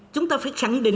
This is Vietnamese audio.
chúng ta phải chẳng định